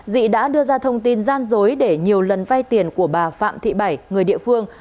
dị đã đưa ra thông tin gian dối để nhiều lần vay tiền của bà phạm thị bảy người địa phương